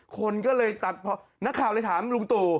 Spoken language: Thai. คนก็เลยตัดพอนักข่าวเลยถามลุงตู่